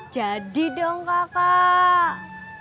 jadi dong kakak